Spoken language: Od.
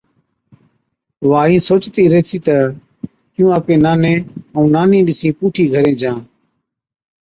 وا اِين سوچتِي ريهٿِي تہ ڪِيُون آپڪي ناني ائُون نانِي پُوٺِي گھرين جان۔